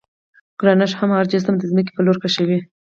ګرانش هر جسم د ځمکې پر لور کشوي.